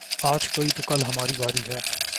آج کوئی تو کل ہماری باری ہے